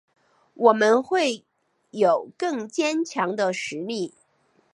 我们会有更坚强的实力